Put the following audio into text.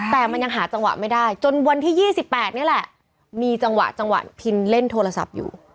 แต่มันยังหาจังหวะไม่ได้จนวันที่๒๘นี่แหละมีจังหวะจังหวะพินเล่นโทรศัพท์อยู่